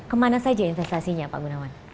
kemana saja investasinya pak gunawan